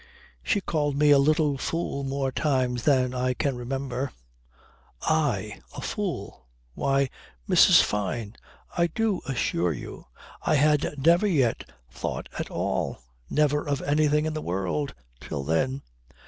"She called me a little fool more times than I can remember. I! A fool! Why, Mrs. Fyne! I do assure you I had never yet thought at all; never of anything in the world, till then.